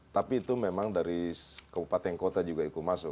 tapi itu memang dari kabupaten kota juga ikut masuk